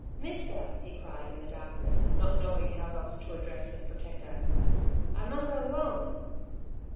"Mister," he cried in the darkness, not knowing how else to address his protector. "I mun go whoam."